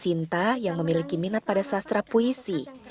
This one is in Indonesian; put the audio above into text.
sinta yang memiliki minat pada sastra puisi